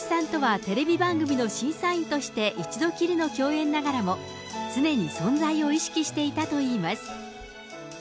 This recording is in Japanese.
小林さんとはテレビ番組の審査員として一度きりの共演ながらも、常に存在を意識していたといいます。